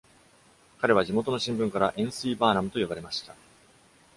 彼は地元の新聞から「塩水バーナム」と呼ばれました。